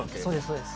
そうです